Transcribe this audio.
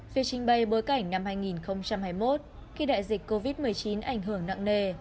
việc trình bày bối cảnh năm hai nghìn hai mươi một khi đại dịch covid một mươi chín ảnh hưởng nặng nề